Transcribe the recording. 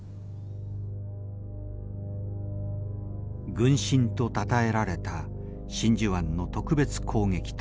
軍神とたたえられた真珠湾の特別攻撃隊。